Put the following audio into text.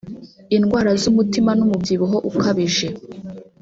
indwara z’umutima n’umubyibuho ukabije